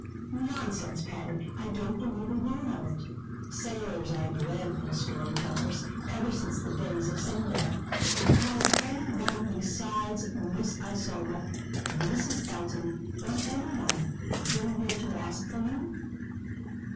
"Nonsense, Patty, I don't believe a word of it. Sailors are dreadful story tellers, ever since the days of Sindbad. Has any one besides Miss Isola, Mrs. Elton, or any one, been here to ask for me?"